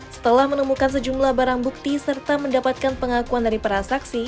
setelah menemukan sejumlah barang bukti serta mendapatkan pengakuan dari para saksi